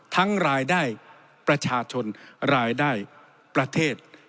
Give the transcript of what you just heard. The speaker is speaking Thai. รายได้ประชาชนรายได้ประเทศ